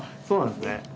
そうなんですね。